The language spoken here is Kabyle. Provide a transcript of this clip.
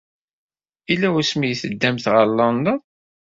Yella wasmi ay teddamt ɣer London?